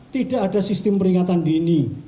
tidak ada sistem peringatan dini